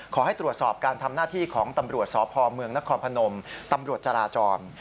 ขอให้ตรวจสอบการทำหน้าที่ของตำรวจสพเมืองนครพนมตำรวจจราจร